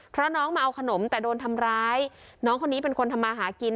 เพราะน้องมาเอาขนมแต่โดนทำร้ายน้องคนนี้เป็นคนทำมาหากิน